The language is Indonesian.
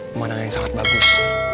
pemandangan yang sangat bagus